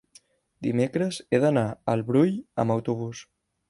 dimecres he d'anar al Brull amb autobús.